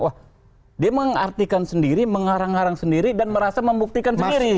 wah dia mengartikan sendiri mengharang harang sendiri dan merasa membuktikan sendiri